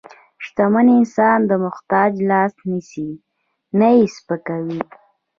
شتمن انسان د محتاج لاس نیسي، نه یې سپکوي.